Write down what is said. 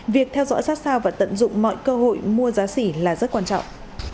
việc theo dõi sát sao và tận dụng mọi cơ hội mua giá xỉ là rất quan trọng